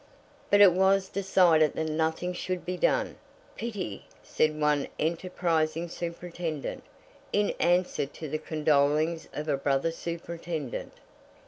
But it was decided that nothing should be done. "Pity!" said one enterprising superintendent, in answer to the condolings of a brother superintendent.